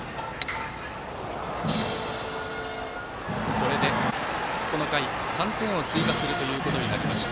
これで、この回３点を追加するということになりました。